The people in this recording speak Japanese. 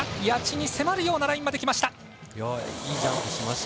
谷地に迫るようなラインまできました。